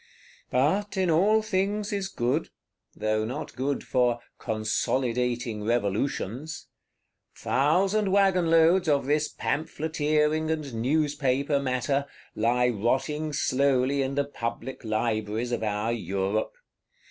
But in all things is good;—though not good for "consolidating Revolutions." Thousand wagon loads of this Pamphleteering and Newspaper matter, lie rotting slowly in the Public Libraries of our Europe.